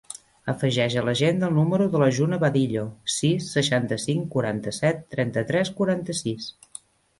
Afegeix a l'agenda el número de la Juna Vadillo: sis, seixanta-cinc, quaranta-set, trenta-tres, quaranta-sis.